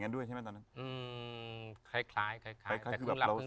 นั่นน่ะถึงหลุดจากตรงนั้น